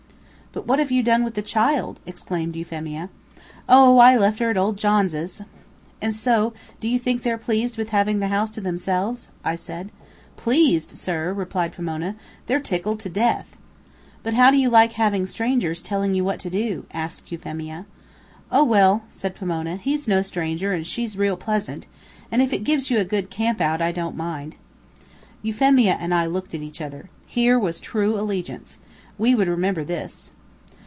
"But what have you done with the child?" exclaimed Euphemia. "Oh, I left her at old Johnses." "And so you think they're pleased with having the house to themselves?" I said. "Pleased, sir?" replied Pomona; "they're tickled to death." "But how do you like having strangers telling you what to do?" asked Euphemia. "Oh, well," said Pomona, "he's no stranger, and she's real pleasant, and if it gives you a good camp out, I don't mind." Euphemia and I looked at each other. Here was true allegiance. We would remember this.